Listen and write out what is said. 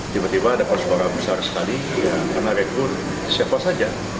tiba tiba ada posporan besar sekali karena rekur siapa saja